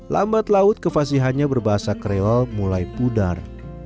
lambat laut kevasihannya berbahasa kreol mulai pudar